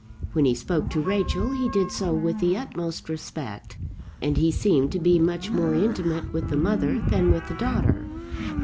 When he spoke to Rachel he did so with the utmost respect, and he seemed to be much more intimate with the mother than with the daughter.